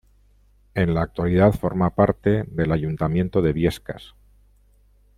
En la actualidad forma parte del Ayuntamiento de Biescas.